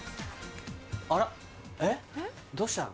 あらえっどうしたの？